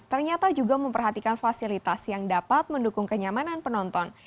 ternyata juga memperhatikan fasilitas yang dapat mendukung kenyamanan penonton